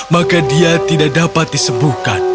maka dia tidak dapat disembuhkan